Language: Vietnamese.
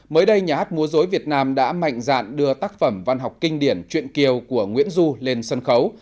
mới đây nhà hát múa dối việt nam đã mạnh dạn đưa tác phẩm văn học kinh điển chuyện kiều của nguyễn du lên sân khấu